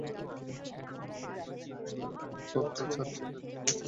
দেখা যায়, সড়কের অন্তত চার জায়গায় রাখা হয়েছে সিটি করপোরেশনের ময়লার কনটেইনার।